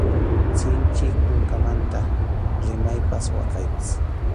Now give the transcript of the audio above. Sinchi kunkamanta rimaypas waqaypas.